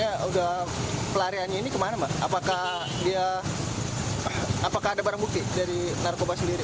ya udah pelariannya ini kemana mbak apakah dia apakah ada barang bukti dari narkoba sendiri